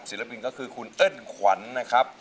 บินก็คือคุณเอิ้นขวัญนะครับ